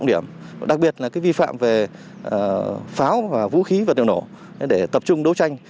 điểm đặc biệt là vi phạm về pháo và vũ khí vật liệu nổ để tập trung đấu tranh